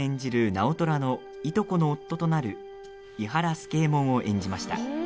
直虎の、いとこの夫となる庵原助右衛門を演じました。